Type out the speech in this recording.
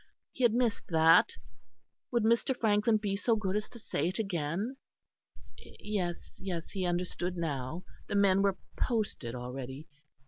He had missed that. Would Mr. Frankland be so good as to say it again? Yes, yes, he understood now; the men were posted already.